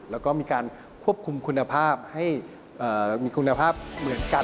แล้วก็มีการควบคุมคุณภาพให้มีคุณภาพเหมือนกัน